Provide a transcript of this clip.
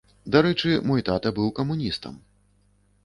Дарэчы, мой тата быў камуністам.